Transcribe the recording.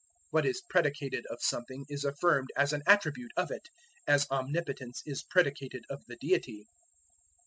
What is predicated of something is affirmed as an attribute of it, as omnipotence is predicated of the Deity.